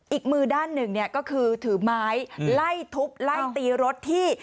อีกมือด้านหนึ่งเนี่ยก็คือถือไม้ไล่ทุบไล่ตีรถที่